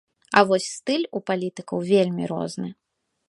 А вось стыль у палітыкаў вельмі розны.